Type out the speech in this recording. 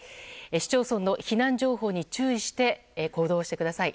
市町村の避難情報に注意して行動してください。